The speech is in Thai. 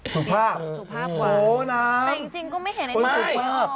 สุขภาพสุขภาพหวานโอ้น้ำแต่จริงก็ไม่เห็นในสุขภาพ